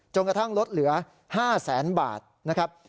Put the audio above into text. กระทั่งลดเหลือ๕แสนบาทนะครับ